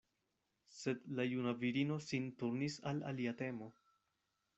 Sed la juna virino sin turnis al alia temo.